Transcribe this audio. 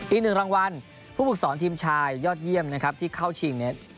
อีกหนึ่งรางวัลผู้ฝึกสอนทีมชายยอดเยี่ยมนะครับที่เข้าชิงเนี่ย